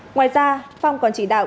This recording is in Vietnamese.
ngoài ra phong còn chỉ đạo